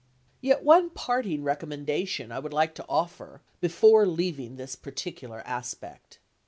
Yet one parting recommendation I would like to offer, before leaving this particular aspect.